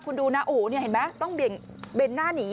คุณดูนะโอ้โหเห็นไหมต้องเบนหน้าหนี